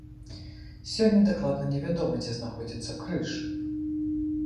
Сёння дакладна не вядома, дзе знаходзіцца крыж.